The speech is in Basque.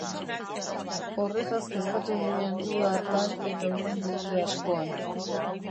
Horretaz kezkatu ginen uda hartan eta hurrengo urte askoan.